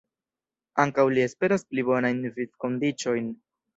Ankaŭ li esperas pli bonajn vivkondiĉojn.